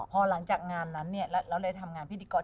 พอหลังจากงานนั้นเนี่ยแล้วเล่าได้ทำงานพิธีกอร์